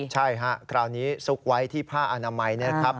ใช่ฮะคราวนี้ซุกไว้ที่ผ้าอนามัยนะครับ